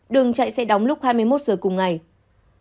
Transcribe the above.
đường chạy sẽ đóng lúc hai mươi một giờ